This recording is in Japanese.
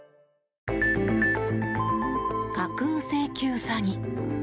架空請求詐欺。